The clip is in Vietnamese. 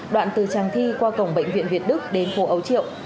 đi qua cổng bệnh viện việt đức đến phố ấu triệu